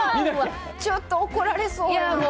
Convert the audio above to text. ちょっと、怒られそう。